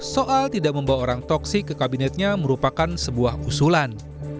soal tidak membawa orang toksik ke kabinetnya merupakan sebuah usulan